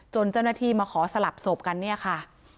เจ้าหน้าที่มาขอสลับศพกันเนี่ยค่ะ